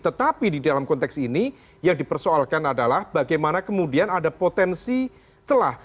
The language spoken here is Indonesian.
tetapi di dalam konteks ini yang dipersoalkan adalah bagaimana kemudian ada potensi celah